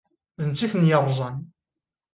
D netta i ten-yeṛẓan.